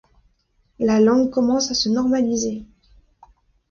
La langue commence à se normaliser.